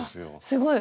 すごい。